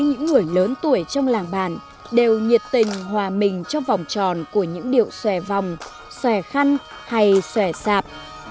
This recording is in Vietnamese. những người lớn tuổi trong làng bản đều nhiệt tình hòa mình trong vòng tròn của những điệu xòe vòng xòe khăn hay xòe sạp